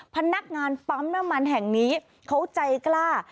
พนักงานปั๊มน้ำมันแห่งนี้เขาใจกล้า